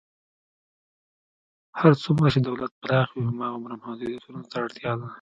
هر څومره چې دولت پراخ وي، هماغومره محدودیتونو ته اړتیا ده.